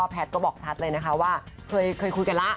แพทย์ก็บอกชัดเลยว่าเคยคุยกันล่ะ